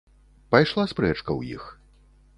Пайшла спрэчка ў іх.